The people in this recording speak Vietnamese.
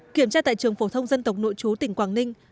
kiểm tra tại trường phổ thông dân tộc nội chú tỉnh quảng ninh